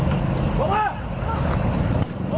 ตำรวจต้องไล่ตามกว่าจะรองรับเหตุได้